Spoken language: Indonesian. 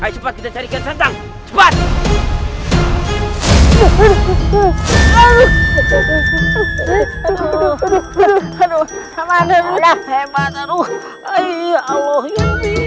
coba dengan lu hurdeh ya